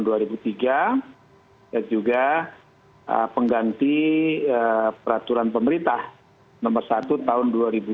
dan juga pengganti peraturan pemerintah nomor satu tahun dua ribu dua